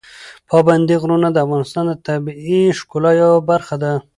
پابندي غرونه د افغانستان د طبیعي ښکلا یوه برخه ده.